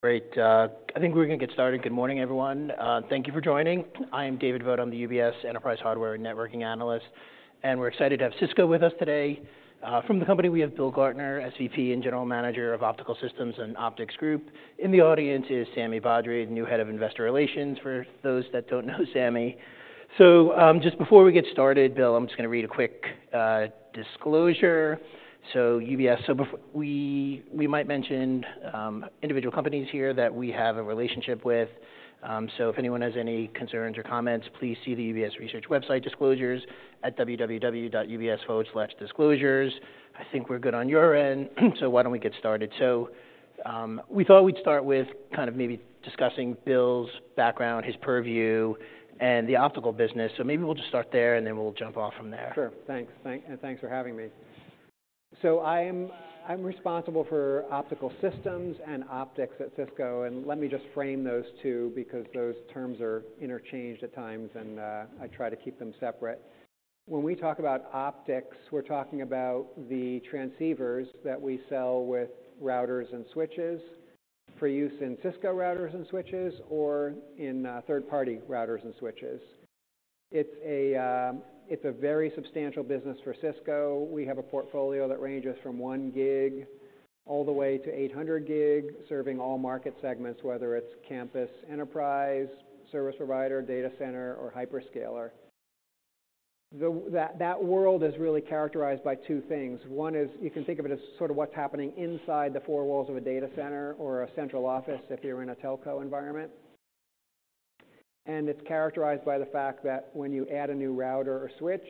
Great, I think we're going to get started. Good morning, everyone. Thank you for joining. I am David Vogt. I'm the UBS Enterprise Hardware and Networking Analyst, and we're excited to have Cisco with us today. From the company, we have Bill Gartner, SVP and General Manager of Optical Systems and Optics Group. In the audience is Sami Badri, new head of investor relations, for those that don't know Sami. So, just before we get started, Bill, I'm just going to read a quick disclosure. So UBS, we might mention individual companies here that we have a relationship with, so if anyone has any concerns or comments, please see the UBS Research website disclosures at www.ubs/disclosures. I think we're good on your end, so why don't we get started? We thought we'd start with kind of maybe discussing Bill's background, his purview, and the optical business. Maybe we'll just start there, and then we'll jump off from there. Sure. Thanks, and thanks for having me. So I'm responsible for optical systems and optics at Cisco, and let me just frame those two, because those terms are interchanged at times, and I try to keep them separate. When we talk about optics, we're talking about the transceivers that we sell with routers and switches for use in Cisco routers and switches or in third-party routers and switches. It's a very substantial business for Cisco. We have a portfolio that ranges from 1 gig all the way to 800 gig, serving all market segments, whether it's campus, enterprise, service provider, data center, or hyperscaler. That world is really characterized by two things. One is, you can think of it as sort of what's happening inside the four walls of a data center or a central office if you're in a telco environment. And it's characterized by the fact that when you add a new router or switch,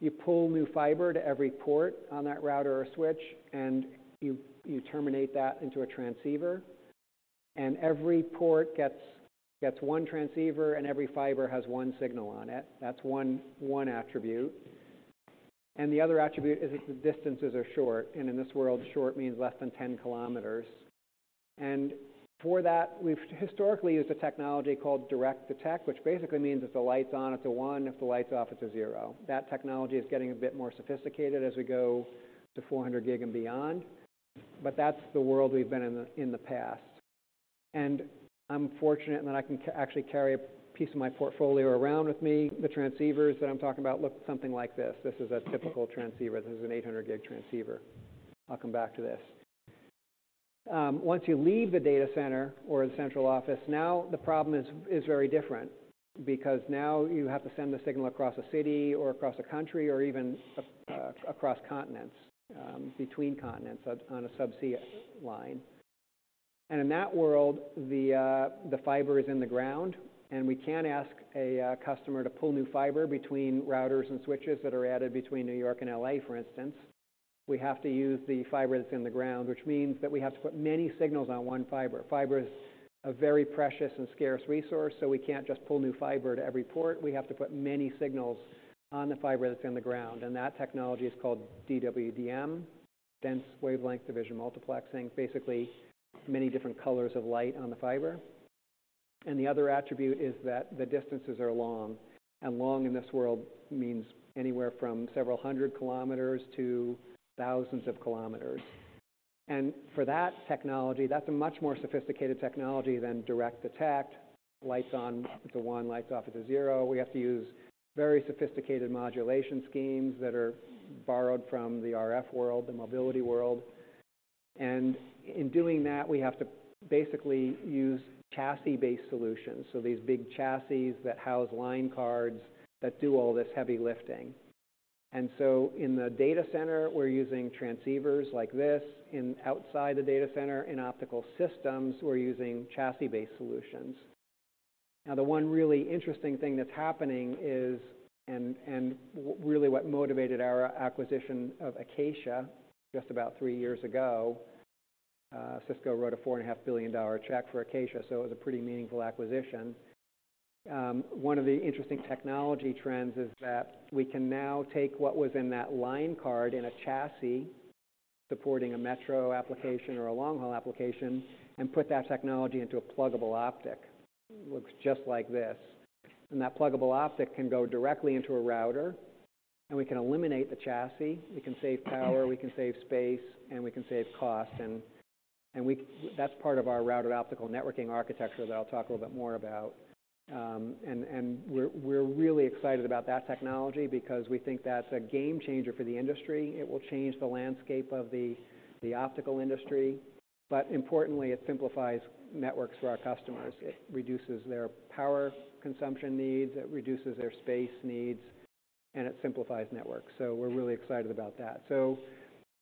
you pull new fiber to every port on that router or switch, and you terminate that into a transceiver, and every port gets one transceiver, and every fiber has one signal on it. That's one attribute. And the other attribute is that the distances are short, and in this world, short means less than 10 kilometers. And for that, we've historically used a technology called direct detect, which basically means if the light's on, it's a one; if the light's off, it's a zero. That technology is getting a bit more sophisticated as we go to 400 gig and beyond, but that's the world we've been in the past. And I'm fortunate in that I can actually carry a piece of my portfolio around with me. The transceivers that I'm talking about look something like this. This is a typical transceiver. This is an 800 gig transceiver. I'll come back to this. Once you leave the data center or the central office, now the problem is very different because now you have to send the signal across a city or across a country, or even across continents, between continents on a subsea line. And in that world, the fiber is in the ground, and we can't ask a customer to pull new fiber between routers and switches that are added between New York and L.A., for instance. We have to use the fiber that's in the ground, which means that we have to put many signals on one fiber. Fiber is a very precious and scarce resource, so we can't just pull new fiber to every port. We have to put many signals on the fiber that's in the ground, and that technology is called DWDM, dense wavelength division multiplexing. Basically, many different colors of light on the fiber. And the other attribute is that the distances are long, and long in this world means anywhere from several hundred kilometers to thousands of kilometers. For that technology, that's a much more sophisticated technology than Direct Detect, lights on to one, lights off is a zero. We have to use very sophisticated modulation schemes that are borrowed from the RF world, the mobility world. In doing that, we have to basically use chassis-based solutions, so these big chassis that house line cards that do all this heavy lifting. So in the data center, we're using transceivers like this. Outside the data center, in optical systems, we're using chassis-based solutions. Now, the one really interesting thing that's happening is really what motivated our acquisition of Acacia just about three years ago. Cisco wrote a $4.5 billion check for Acacia, so it was a pretty meaningful acquisition. One of the interesting technology trends is that we can now take what was in that line card in a chassis supporting a Metro application or a Long-Haul application, and put that technology into a pluggable optic. Looks just like this. And that pluggable optic can go directly into a router, and we can eliminate the chassis. We can save power, we can save space, and we can save cost. And that's part of our Routed Optical Networking architecture that I'll talk a little bit more about. And we're really excited about that technology because we think that's a game changer for the industry. It will change the landscape of the optical industry, but importantly, it simplifies networks for our customers. It reduces their power consumption needs, it reduces their space needs, and it simplifies networks, so we're really excited about that.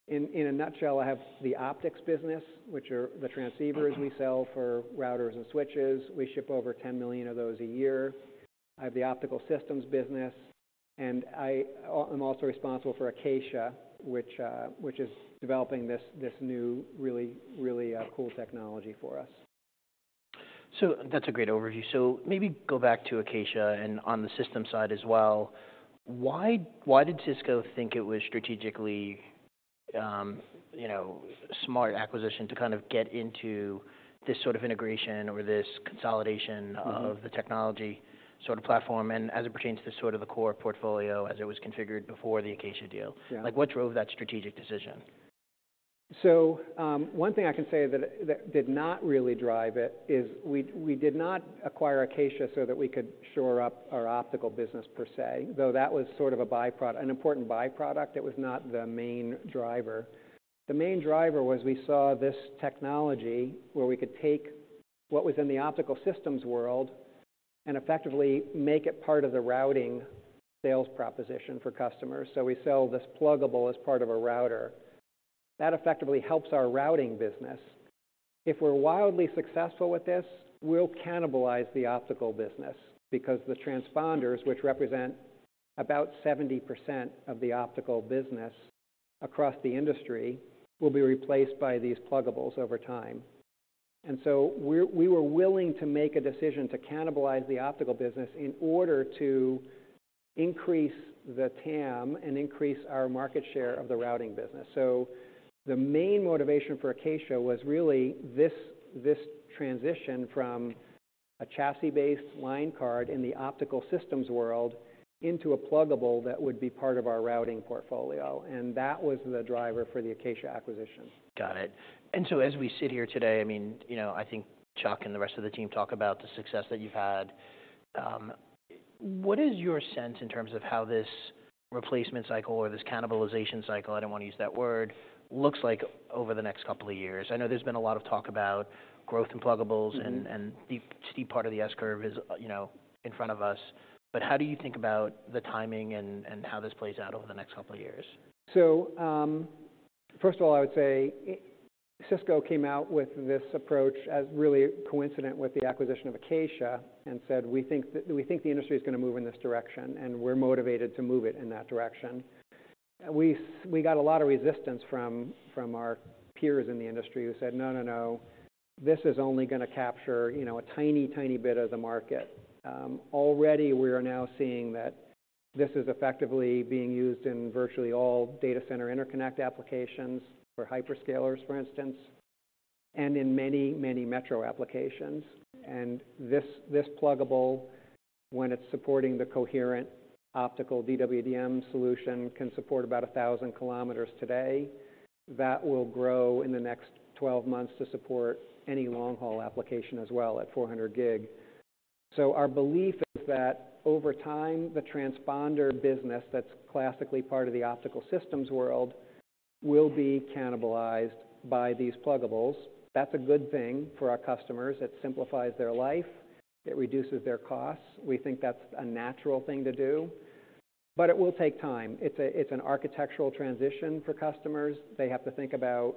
So in a nutshell, I have the optics business, which are the transceivers we sell for routers and switches. We ship over 10 million of those a year. I have the optical systems business, and I'm also responsible for Acacia, which is developing this new really, really cool technology for us. So that's a great overview. So maybe go back to Acacia and on the systems side as well. Why, why did Cisco think it was strategically, you know, smart acquisition to kind of get into this sort of integration or this consolidation- Mm-hmm. - of the technology sort of platform, and as it pertains to sort of the core portfolio as it was configured before the Acacia deal? Yeah. Like, what drove that strategic decision? ...So, one thing I can say that, that did not really drive it is we, we did not acquire Acacia so that we could shore up our optical business per se, though that was sort of a by-product, an important by-product, it was not the main driver. The main driver was we saw this technology where we could take what was in the optical systems world and effectively make it part of the routing sales proposition for customers. So we sell this pluggable as part of a router. That effectively helps our routing business. If we're wildly successful with this, we'll cannibalize the optical business because the transponders, which represent about 70% of the optical business across the industry, will be replaced by these pluggables over time. So we were willing to make a decision to cannibalize the optical business in order to increase the TAM and increase our market share of the routing business. So the main motivation for Acacia was really this, this transition from a chassis-based line card in the optical systems world into a pluggable that would be part of our routing portfolio, and that was the driver for the Acacia acquisition. Got it. And so as we sit here today, I mean, you know, I think Chuck and the rest of the team talk about the success that you've had. What is your sense in terms of how this replacement cycle or this cannibalization cycle, I don't want to use that word, looks like over the next couple of years? I know there's been a lot of talk about growth in pluggables- Mm-hmm. The steep part of the S-curve is, you know, in front of us. But how do you think about the timing and how this plays out over the next couple of years? So, first of all, I would say Cisco came out with this approach as really coincident with the acquisition of Acacia and said: We think the industry is going to move in this direction, and we're motivated to move it in that direction. We got a lot of resistance from, from our peers in the industry who said, "No, no, no, this is only going to capture, you know, a tiny, tiny bit of the market." Already, we are now seeing that this is effectively being used in virtually all data center interconnect applications for hyperscalers, for instance, and in many, many metro applications. And this, this pluggable, when it's supporting the coherent optical DWDM solution, can support about 1,000 kilometers today. That will grow in the next 12 months to support any long-haul application as well at 400 gig. So our belief is that over time, the transponder business, that's classically part of the optical systems world, will be cannibalized by these pluggables. That's a good thing for our customers. It simplifies their life, it reduces their costs. We think that's a natural thing to do, but it will take time. It's an architectural transition for customers. They have to think about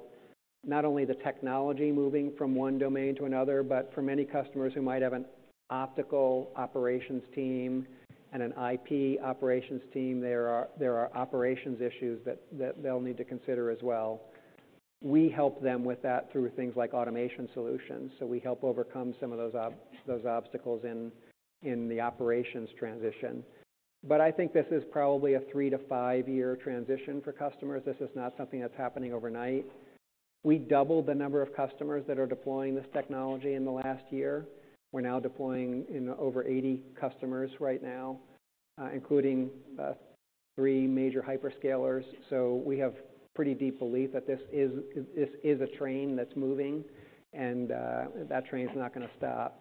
not only the technology moving from one domain to another, but for many customers who might have an optical operations team and an IP operations team, there are operations issues that they'll need to consider as well. We help them with that through things like automation solutions, so we help overcome some of those obstacles in the operations transition. But I think this is probably a three-five-year transition for customers. This is not something that's happening overnight. We doubled the number of customers that are deploying this technology in the last year. We're now deploying in over 80 customers right now, including three major hyperscalers. So we have pretty deep belief that this is, this is a train that's moving, and that train is not going to stop.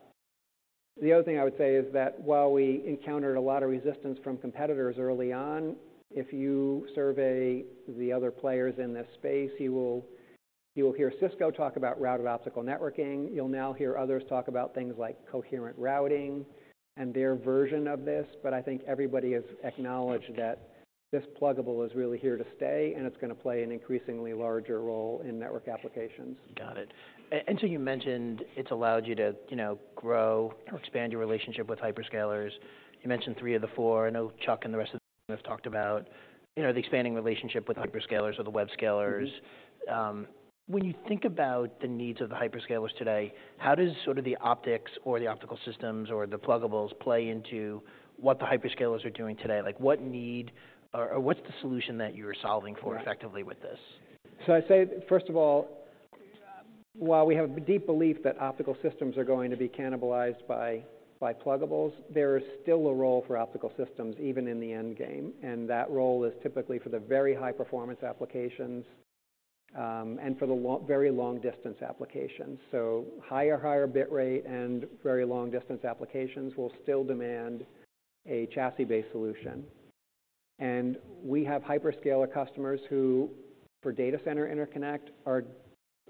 The other thing I would say is that while we encountered a lot of resistance from competitors early on, if you survey the other players in this space, you will, you will hear Cisco talk about Routed Optical Networking. You'll now hear others talk about things like coherent routing and their version of this. But I think everybody has acknowledged that this pluggable is really here to stay, and it's going to play an increasingly larger role in network applications. Got it. And so you mentioned it's allowed you to, you know, grow or expand your relationship with hyperscalers. You mentioned three of the four. I know Chuck and the rest of them have talked about, you know, the expanding relationship with hyperscalers or the web scalers. Mm-hmm. When you think about the needs of the hyperscalers today, how does sort of the optics or the optical systems or the pluggables play into what the hyperscalers are doing today? Like, what need or, or what's the solution that you are solving for? Right... effectively with this? So I'd say, first of all, while we have a deep belief that optical systems are going to be cannibalized by pluggables, there is still a role for optical systems, even in the end game, and that role is typically for the very high-performance applications and for the long, very long-distance applications. So higher, higher bit rate and very long-distance applications will still demand a chassis-based solution. And we have hyperscaler customers who, for data center interconnect,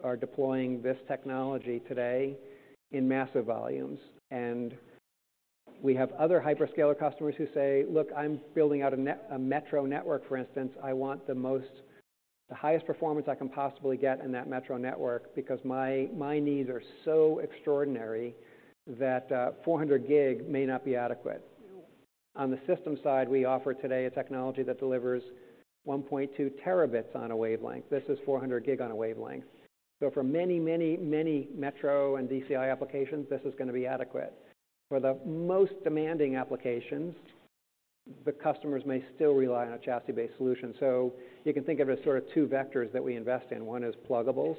are deploying this technology today in massive volumes. And we have other hyperscaler customers who say: Look, I'm building out a metro network, for instance. I want the most, the highest performance I can possibly get in that metro network because my needs are so extraordinary that 400 gig may not be adequate. On the system side, we offer today a technology that delivers 1.2 terabits on a wavelength. This is 400 gig on a wavelength. So for many, many, many metro and DCI applications, this is going to be adequate. For the most demanding applications, the customers may still rely on a chassis-based solution. So you can think of it as sort of two vectors that we invest in. One is pluggables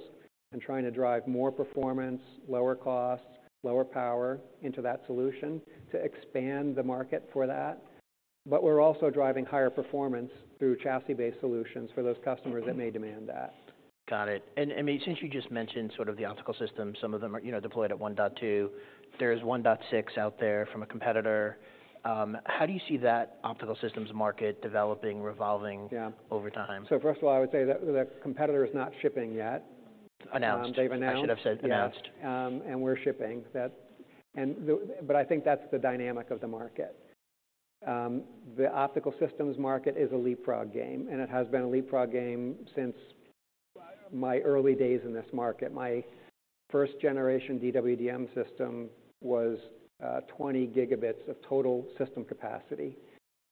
and trying to drive more performance, lower cost, lower power into that solution to expand the market for that... but we're also driving higher performance through chassis-based solutions for those customers that may demand that. Got it. And since you just mentioned sort of the optical system, some of them are, you know, deployed at 1.2. There's 1.6 out there from a competitor. How do you see that optical systems market developing, evolving- Yeah -over time? First of all, I would say that competitor is not shipping yet. Announced. They've announced. I should have said announced. Announced, and we're shipping. That, but I think that's the dynamic of the market. The optical systems market is a leapfrog game, and it has been a leapfrog game since my early days in this market. My first generation DWDM system was 20 gigabits of total system capacity,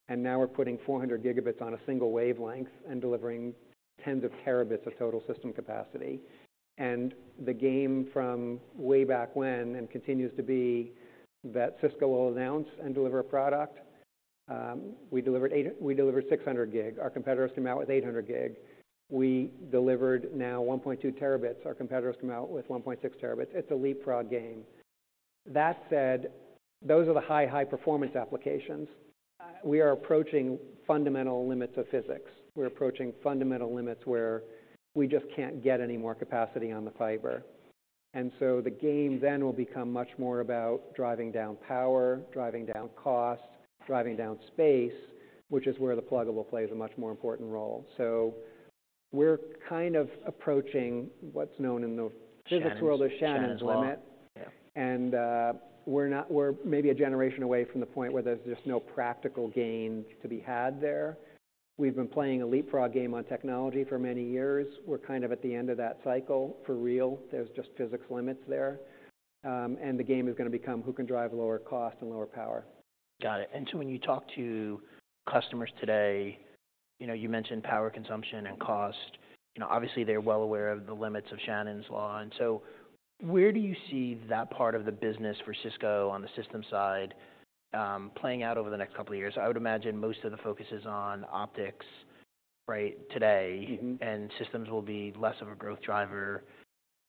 and now we're putting 400 gigabits on a single wavelength and delivering tens of terabits of total system capacity. And the game from way back when, and continues to be, that Cisco will announce and deliver a product. We delivered 600 gig. Our competitors came out with 800 gig. We delivered now 1.2 terabits. Our competitors come out with 1.6 terabits. It's a leapfrog game. That said, those are the high, high-performance applications. We are approaching fundamental limits of physics. We're approaching fundamental limits where we just can't get any more capacity on the fiber. And so the game then will become much more about driving down power, driving down cost, driving down space, which is where the pluggable plays a much more important role. So we're kind of approaching what's known in the- Shannon physics world as Shannon's limit. Yeah. We're maybe a generation away from the point where there's just no practical gain to be had there. We've been playing a leapfrog game on technology for many years. We're kind of at the end of that cycle for real. There's just physics limits there. And the game is going to become: who can drive lower cost and lower power? Got it. And so when you talk to customers today, you know, you mentioned power consumption and cost. You know, obviously, they're well aware of the limits of Shannon's limit. And so where do you see that part of the business for Cisco on the system side, playing out over the next couple of years? I would imagine most of the focus is on optics, right, today. Mm-hmm. And systems will be less of a growth driver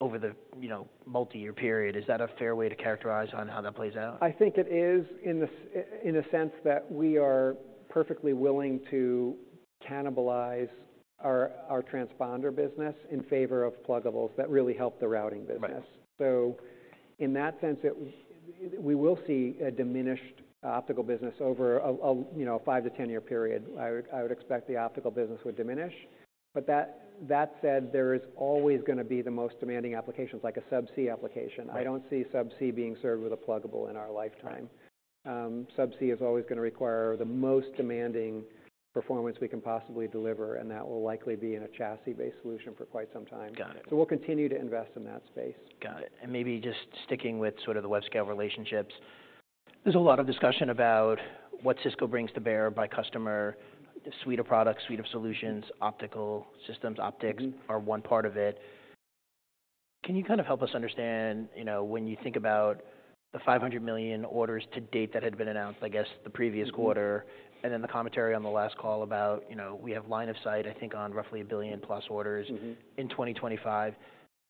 over the, you know, multi-year period. Is that a fair way to characterize on how that plays out? I think it is in a sense that we are perfectly willing to cannibalize our transponder business in favor of pluggables that really help the routing business. Right. So in that sense, we will see a diminished optical business over a, you know, five-10-year period. I would expect the optical business would diminish. But that said, there is always going to be the most demanding applications, like a subsea application. Right. I don't see Subsea being served with a pluggable in our lifetime. Right. Subsea is always going to require the most demanding performance we can possibly deliver, and that will likely be in a chassis-based solution for quite some time. Got it. We'll continue to invest in that space. Got it. Maybe just sticking with sort of the web-scale relationships, there's a lot of discussion about what Cisco brings to bear by customer, suite of products, suite of solutions, optical systems. Mm-hmm. Optics are one part of it. Can you kind of help us understand, you know, when you think about the 500 million orders to date that had been announced, I guess, the previous quarter- Mm-hmm. -and then the commentary on the last call about, you know, we have line of sight, I think, on roughly $1 billion-plus orders- Mm-hmm -in 2025.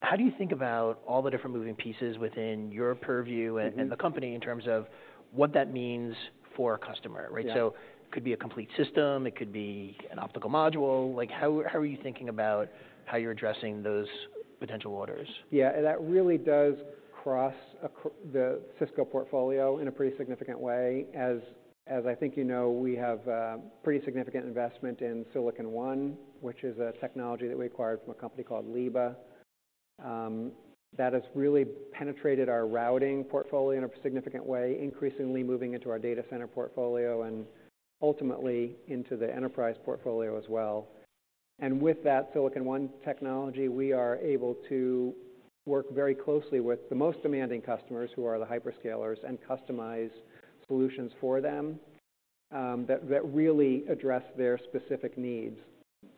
How do you think about all the different moving pieces within your purview? Mm-hmm and the company in terms of what that means for a customer? Yeah. Right, so it could be a complete system, it could be an optical module. Like, how, how are you thinking about how you're addressing those potential orders? Yeah, that really does cross the Cisco portfolio in a pretty significant way. As I think you know, we have pretty significant investment in Silicon One, which is a technology that we acquired from a company called Leaba. That has really penetrated our routing portfolio in a significant way, increasingly moving into our data center portfolio and ultimately into the enterprise portfolio as well. And with that Silicon One technology, we are able to work very closely with the most demanding customers, who are the hyperscalers, and customize solutions for them that really address their specific needs.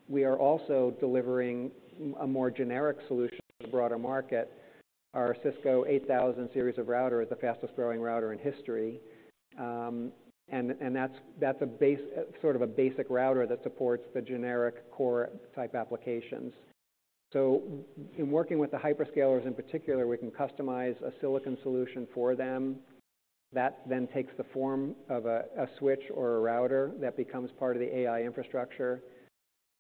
We are also delivering a more generic solution to the broader market. Our Cisco 8000 Series of router is the fastest-growing router in history. And that's a basic router that supports the generic core type applications. So in working with the hyperscalers in particular, we can customize a silicon solution for them. That then takes the form of a switch or a router that becomes part of the AI infrastructure.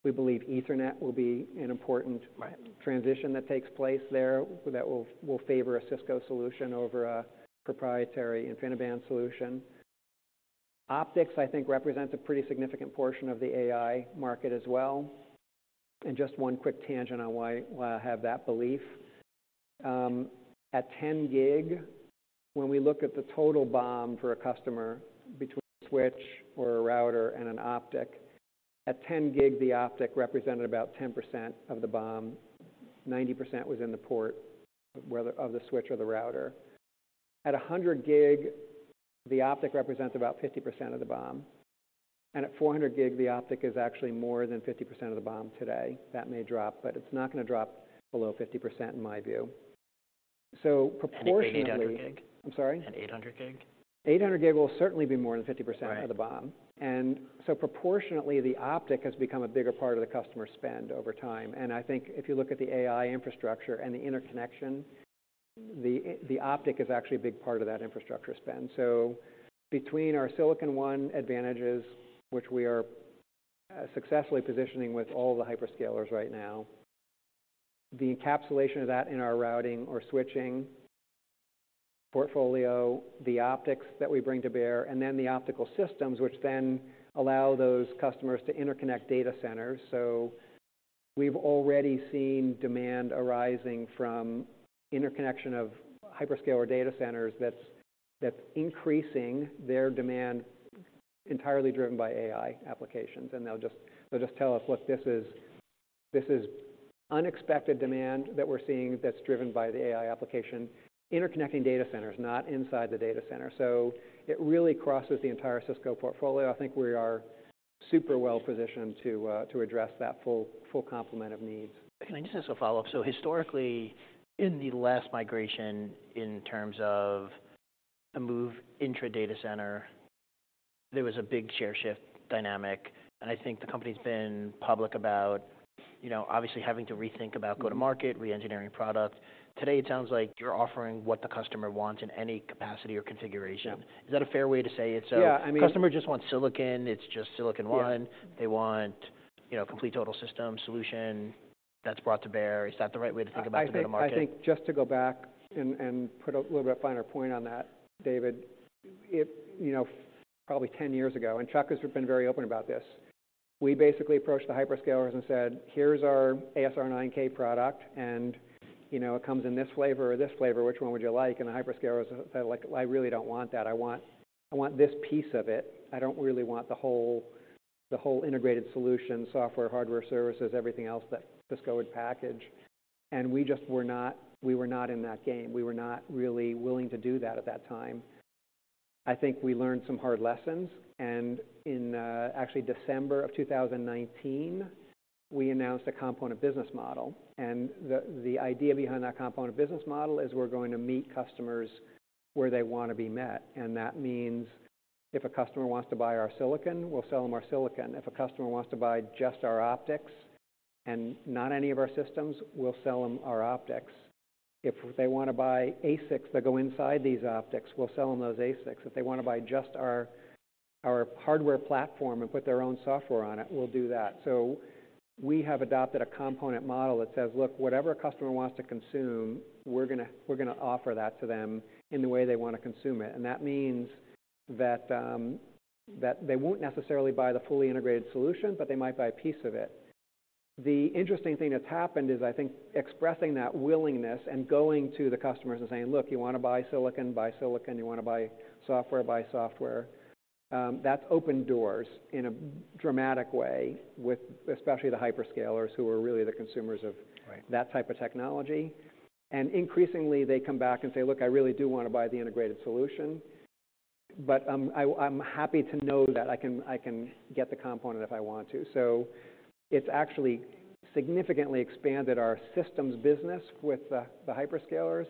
We believe Ethernet will be an important- Right -transition that takes place there, that will favor a Cisco solution over a proprietary InfiniBand solution. Optics, I think, represents a pretty significant portion of the AI market as well. And just one quick tangent on why I have that belief. At 10 gig, when we look at the total BOM for a customer between a switch or a router and an optic, at 10 gig, the optic represented about 10% of the BOM. 90% was in the port of the switch or the router. At 100 gig, the optic represents about 50% of the BOM, and at 400 gig, the optic is actually more than 50% of the BOM today. That may drop, but it's not going to drop below 50%, in my view. So proportionately- At 800 gig? I'm sorry? At 800 gig. 800 gig will certainly be more than 50%- Right of the BOM. And so proportionately, the optic has become a bigger part of the customer spend over time, and I think if you look at the AI infrastructure and the interconnection, the optic is actually a big part of that infrastructure spend. So between our Silicon One advantages, which we are successfully positioning with all the hyperscalers right now, the encapsulation of that in our routing or switching portfolio, the optics that we bring to bear, and then the optical systems, which then allow those customers to interconnect data centers. So we've already seen demand arising from interconnection of hyperscaler data centers that's increasing their demand, entirely driven by AI applications. And they'll just, they'll just tell us, "Look, this is unexpected demand that we're seeing that's driven by the AI application." Interconnecting data centers, not inside the data center. It really crosses the entire Cisco portfolio. I think we are super well-positioned to address that full complement of needs. Can I just ask a follow-up? So historically, in the last migration, in terms of a move intra data center, there was a big share shift dynamic, and I think the company's been public about, you know, obviously having to rethink about go-to-market, reengineering product. Today, it sounds like you're offering what the customer wants in any capacity or configuration. Yeah. Is that a fair way to say it? Yeah, I mean- Customer just wants silicon, it's just Silicon One. Yeah. They want, you know, complete total system solution that's brought to bear. Is that the right way to think about go-to-market? I think, I think just to go back and put a little bit finer point on that, David, it... You know, probably 10 years ago, and Chuck has been very open about this, we basically approached the hyperscalers and said, "Here's our ASR 9K product, and, you know, it comes in this flavor or this flavor. Which one would you like?" And the hyperscalers were like: "I really don't want that. I want, I want this piece of it. I don't really want the whole, the whole integrated solution, software, hardware, services, everything else that Cisco would package." And we just were not, we were not in that game. We were not really willing to do that at that time. I think we learned some hard lessons, and in actually December of 2019, we announced a component business model. And the idea behind that component business model is we're going to meet customers where they want to be met, and that means if a customer wants to buy our silicon, we'll sell them our silicon. If a customer wants to buy just our optics and not any of our systems, we'll sell them our optics. If they want to buy ASICs that go inside these optics, we'll sell them those ASICs. If they want to buy just our hardware platform and put their own software on it, we'll do that. So we have adopted a component model that says: Look, whatever a customer wants to consume, we're gonna offer that to them in the way they want to consume it. And that means that they won't necessarily buy the fully integrated solution, but they might buy a piece of it. The interesting thing that's happened is, I think, expressing that willingness and going to the customers and saying, "Look, you want to buy silicon, buy silicon. You want to buy software, buy software." That's opened doors in a dramatic way with especially the hyperscalers, who are really the consumers of- Right That type of technology. Increasingly, they come back and say, "Look, I really do want to buy the integrated solution, but I'm happy to know that I can get the component if I want to." So it's actually significantly expanded our systems business with the hyperscalers.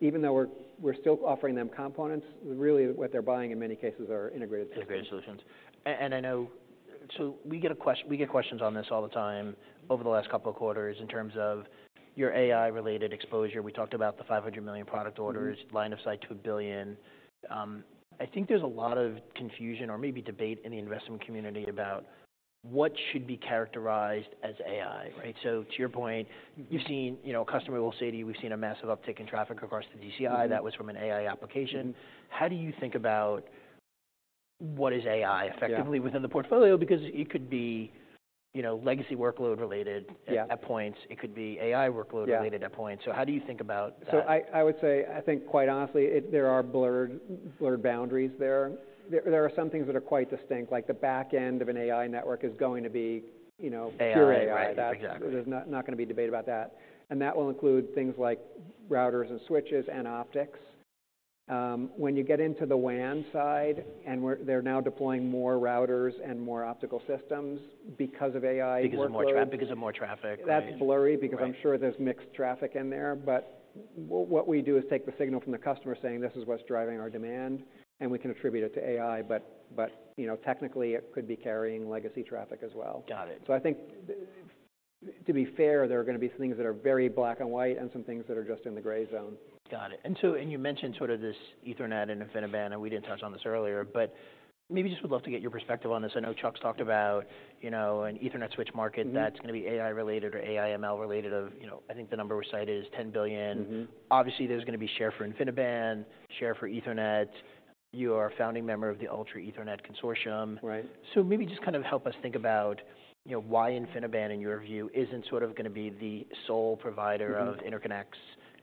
Even though we're still offering them components, really what they're buying in many cases are integrated solutions. Integrated solutions. And I know... So we get questions on this all the time over the last couple of quarters, in terms of your AI-related exposure. We talked about the $500 million product orders- Mm-hmm. Line of sight to $1 billion. I think there's a lot of confusion or maybe debate in the investment community about what should be characterized as AI, right? Mm-hmm. To your point, you've seen, you know, a customer will say to you, "We've seen a massive uptick in traffic across the DCI. Mm-hmm. That was from an AI application. Mm-hmm. How do you think about what is AI? Yeah effectively within the portfolio? Because it could be, you know, legacy workload related- Yeah at points. It could be AI workload related. Yeah at points. So how do you think about that? So, I would say, I think, quite honestly, there are blurred boundaries there. There are some things that are quite distinct, like the back end of an AI network is going to be, you know- AI, right pure AI. Exactly. There's not, not gonna be a debate about that. That will include things like routers and switches and optics. When you get into the WAN side and where they're now deploying more routers and more optical systems because of AI workloads- Because of more traffic. Because of more traffic, right?... That's blurry, because I'm sure there's mixed traffic in there. But what we do is take the signal from the customer saying, "This is what's driving our demand," and we can attribute it to AI, but you know, technically, it could be carrying legacy traffic as well. Got it. I think, to be fair, there are going to be things that are very black and white and some things that are just in the gray zone. Got it. And so, you mentioned sort of this Ethernet and InfiniBand, and we didn't touch on this earlier, but maybe just would love to get your perspective on this. I know Chuck's talked about, you know, an Ethernet switch market- Mm-hmm - that's going to be AI-related or AI/ML-related of, you know, I think the number we cited is $10 billion. Mm-hmm. Obviously, there's going to be share for InfiniBand, share for Ethernet. You are a founding member of the Ultra Ethernet Consortium. Right. Maybe just kind of help us think about, you know, why InfiniBand, in your view, isn't sort of going to be the sole provider? Mm-hmm - of interconnects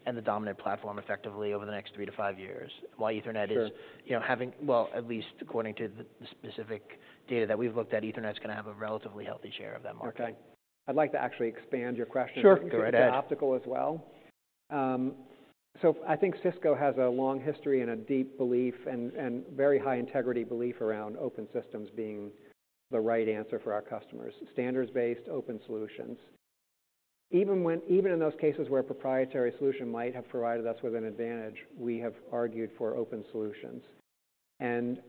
and the dominant platform effectively over the next three-five years. Why Ethernet is- Sure... you know, having, well, at least according to the specific data that we've looked at, Ethernet's going to have a relatively healthy share of that market. Okay. I'd like to actually expand your question- Sure, go ahead.... to optical as well. So I think Cisco has a long history and a deep belief and, and very high integrity belief around open systems being the right answer for our customers, standards-based open solutions. Even when, even in those cases where a proprietary solution might have provided us with an advantage, we have argued for open solutions. And,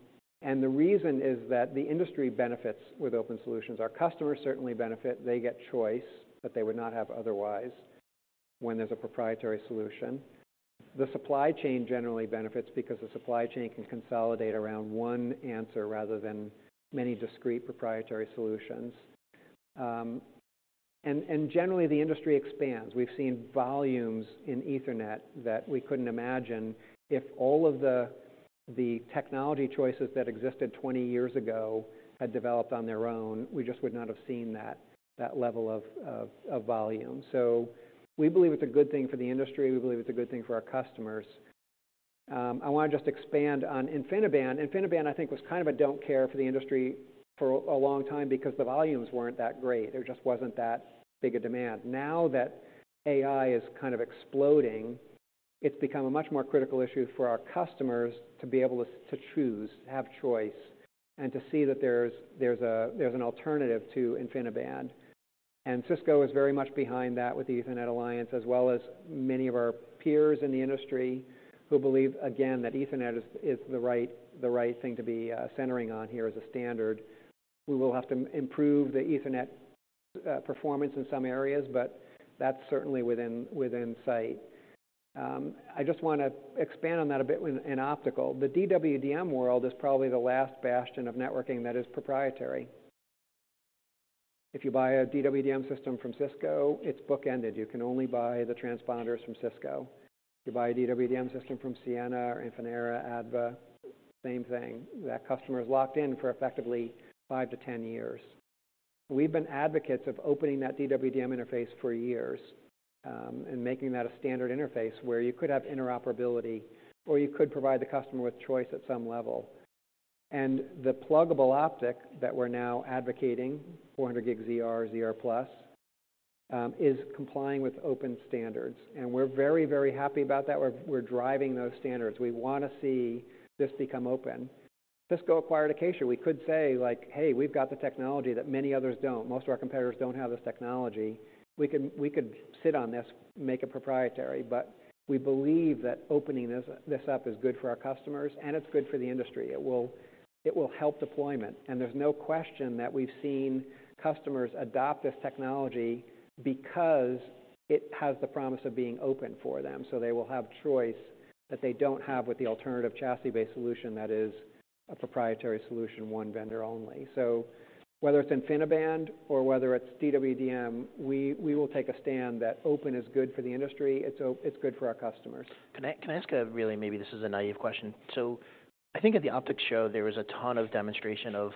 and the reason is that the industry benefits with open solutions. Our customers certainly benefit. They get choice that they would not have otherwise, when there's a proprietary solution. The supply chain generally benefits because the supply chain can consolidate around one answer rather than many discrete proprietary solutions. And, and generally, the industry expands. We've seen volumes in Ethernet that we couldn't imagine if all of the technology choices that existed 20 years ago had developed on their own, we just would not have seen that level of volume. So we believe it's a good thing for the industry. We believe it's a good thing for our customers. I want to just expand on InfiniBand. InfiniBand, I think, was kind of a don't care for the industry for a long time because the volumes weren't that great. There just wasn't that big a demand. Now that AI is kind of exploding, it's become a much more critical issue for our customers to be able to choose, have choice, and to see that there's an alternative to InfiniBand. Cisco is very much behind that with the Ethernet Alliance, as well as many of our peers in the industry who believe, again, that Ethernet is, is the right, the right thing to be centering on here as a standard. We will have to improve the Ethernet performance in some areas, but that's certainly within sight. I just want to expand on that a bit within optical. The DWDM world is probably the last bastion of networking that is proprietary. If you buy a DWDM system from Cisco, it's bookended. You can only buy the transponders from Cisco. If you buy a DWDM system from Ciena or Infinera, ADVA, same thing. That customer is locked in for effectively five-10 years. We've been advocates of opening that DWDM interface for years, and making that a standard interface where you could have interoperability, or you could provide the customer with choice at some level. The pluggable optic that we're now advocating, 400G ZR, ZR+, is complying with open standards, and we're very, very happy about that. We're driving those standards. We want to see this become open. Cisco acquired Acacia. We could say, like: Hey, we've got the technology that many others don't. Most of our competitors don't have this technology. We could sit on this, make it proprietary, but we believe that opening this up is good for our customers, and it's good for the industry. It will, it will help deployment, and there's no question that we've seen customers adopt this technology because it has the promise of being open for them. So they will have choice that they don't have with the alternative chassis-based solution that is a proprietary solution, one vendor only. So whether it's InfiniBand or whether it's DWDM, we will take a stand that open is good for the industry, it's good for our customers. Can I ask a really... Maybe this is a naive question. So I think at the optics show, there was a ton of demonstration of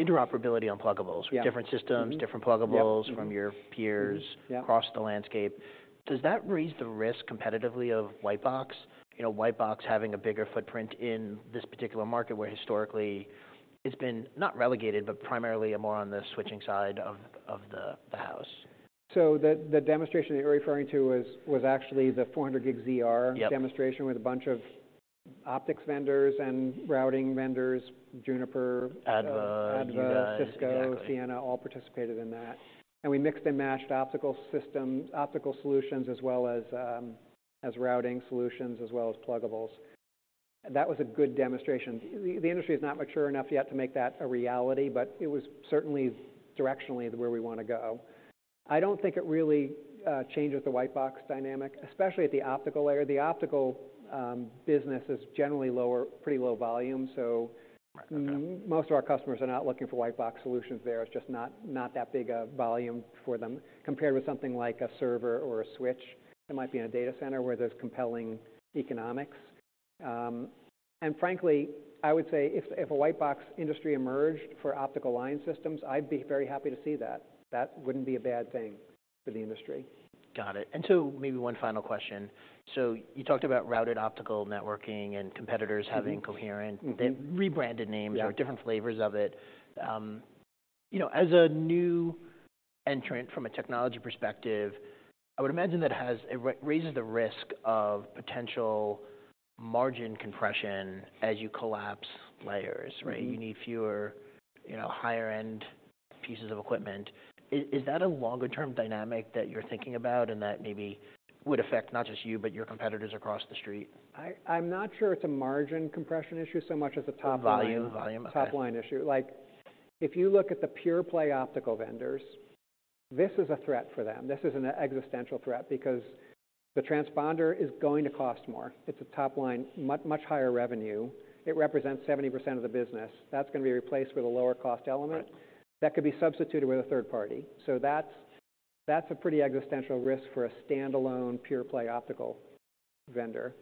interoperability on pluggables- Yeah. - different systems, different pluggables- Yep. Mm-hmm. from your peers Yeah... across the landscape. Does that raise the risk competitively of white box? You know, white box having a bigger footprint in this particular market, where historically it's been, not relegated, but primarily more on the switching side of the house. So the demonstration that you're referring to was actually the 400G ZR- Yep. demonstration, with a bunch of optics vendors and routing vendors, Juniper- ADVA. ADVA- You guys... Cisco, Ciena, all participated in that. And we mixed and matched optical system, optical solutions as well as, as routing solutions, as well as pluggables. That was a good demonstration. The, the industry is not mature enough yet to make that a reality, but it was certainly directionally where we want to go. I don't think it really changes the white box dynamic, especially at the optical layer. The optical business is generally lower, pretty low volume, so- Right. Mm-hmm... most of our customers are not looking for white box solutions there. It's just not, not that big a volume for them, compared with something like a server or a switch that might be in a data center, where there's compelling economics. And frankly, I would say if, if a white box industry emerged for optical line systems, I'd be very happy to see that. That wouldn't be a bad thing for the industry. Got it. And so maybe one final question. So you talked about Routed Optical Networking and competitors- Mm-hmm having coherent- Mm-hmm rebranded names Yeah - or different flavors of it. You know, as a new entrant from a technology perspective, I would imagine that has... It re-raises the risk of potential margin compression as you collapse layers, right? Mm-hmm. You need fewer, you know, higher-end pieces of equipment. Is that a longer-term dynamic that you're thinking about and that maybe would affect not just you, but your competitors across the street? I'm not sure it's a margin compression issue so much as a top line- Volume? Volume. Okay. Top-line issue. Like, if you look at the pure play optical vendors, this is a threat for them. This is an existential threat because the transponder is going to cost more. It's a top-line, much, much higher revenue. It represents 70% of the business. That's going to be replaced with a lower-cost element- Right... that could be substituted with a third party. So that's, that's a pretty existential risk for a standalone, pure play optical vendor.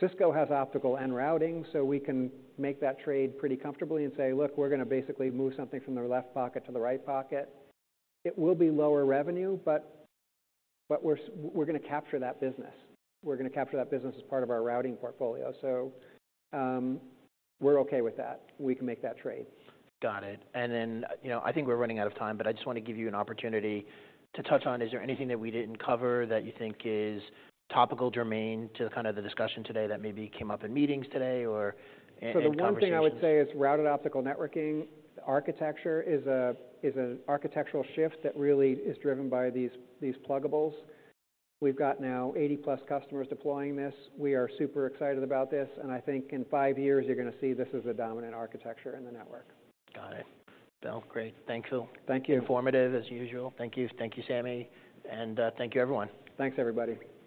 Cisco has optical and routing, so we can make that trade pretty comfortably and say: Look, we're going to basically move something from the left pocket to the right pocket. It will be lower revenue, but we're going to capture that business. We're going to capture that business as part of our routing portfolio. So, we're okay with that. We can make that trade. Got it. And then, you know, I think we're running out of time, but I just want to give you an opportunity to touch on: is there anything that we didn't cover that you think is topical, germane to kind of the discussion today, that maybe came up in meetings today or in, in conversations? The one thing I would say is Routed Optical Networking architecture is an architectural shift that really is driven by these pluggables. We've got now 80+ customers deploying this. We are super excited about this, and I think in five years, you're going to see this as a dominant architecture in the network. Got it. Well, great. Thank you. Thank you. Informative, as usual. Thank you. Thank you, Sami, and thank you, everyone. Thanks, everybody. Thanks, Bill.